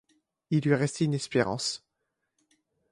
Il lui restait une espérance.